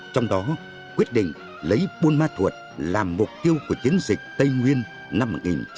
trong đó quyết định lấy buôn ma thuột làm mục tiêu của chiến dịch tây nguyên năm một nghìn chín trăm bảy mươi năm